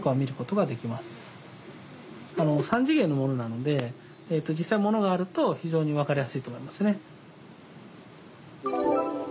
３次元のものなので実際ものがあると非常に分かりやすいと思いますね。